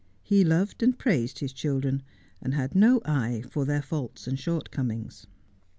He loved and praised his children, and had no eye for their faults and shortcomings.